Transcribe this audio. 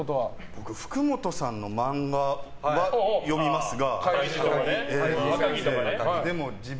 僕、福本さんの漫画は読みますが。